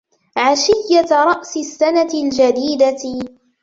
عشية رأس السنة الجديدة.